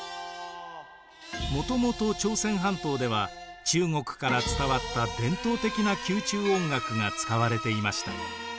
もともと朝鮮半島では中国から伝わった伝統的な宮中音楽が使われていました。